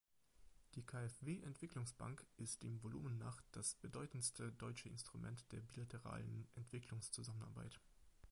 Die KfW Entwicklungsbank ist dem Volumen nach das bedeutendste deutsche Instrument der bilateralen Entwicklungszusammenarbeit.